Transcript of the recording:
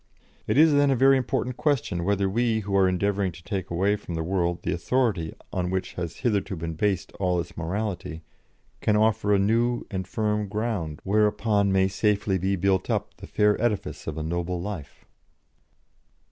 It is, then, a very important question whether we, who are endeavouring to take away from the world the authority on which has hitherto been based all its morality, can offer a new and firm ground whereupon may safely be built up the fair edifice of a noble life."